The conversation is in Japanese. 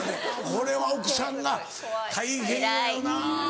これは奥さんが大変やよな。